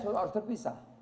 các nền tảng thương mại